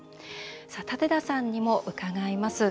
舘田さんにも伺います。